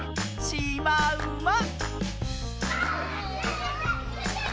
しまうま。